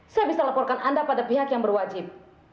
saya bisa laporkan anda pada pihak yang berwajib